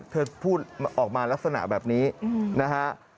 เธอพูดออกมาลักษณะแบบนี้นะฮะ